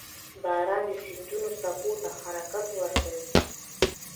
• باران د سیندونو څپو ته حرکت ورکوي.